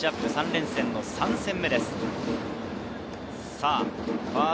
３連戦の３戦目です。